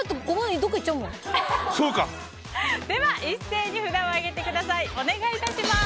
では一斉に札を上げてください。